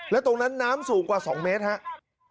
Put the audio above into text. และตรงนั้นน้ำสูงกว่า๒เมตรครับ